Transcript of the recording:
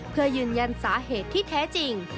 เพื่อยืนยันสาเหตุที่แท้จริง